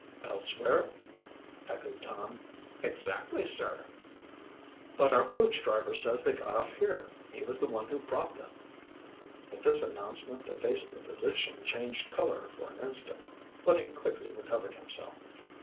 "Elsewhere?" echoed Tom. "Exactly, sir." "But our coach driver says they got off here. He was the one who brought them." At this announcement the face of the physician changed color for an instant. But he quickly recovered himself.